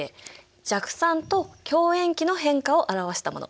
弱酸と強塩基の変化を表したもの。